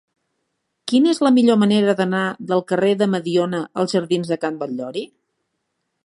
Quina és la millor manera d'anar del carrer de Mediona als jardins de Can Batllori?